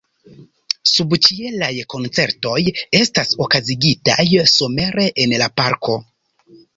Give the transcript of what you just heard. Subĉielaj koncertoj estas okazigitaj somere en la parko.